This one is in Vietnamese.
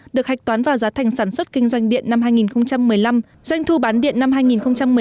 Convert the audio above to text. được hạch toán vào giá thành sản xuất kinh doanh điện năm hai nghìn một mươi năm